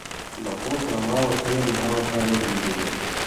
له خو سره ما ور ته وویل: ما او تا نه دي لیدلي.